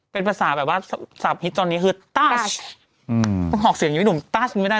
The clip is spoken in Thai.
เป็นภาษาแบบว่าศัพท์ฮิตตอนนี้คือต้าสต้องหอกเสียงอยู่ดูต้าสไม่ได้